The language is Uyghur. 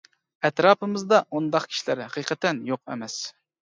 ئەتراپىمىزدا ئۇنداق كىشىلەر ھەقىقەتەن يوق ئەمەس.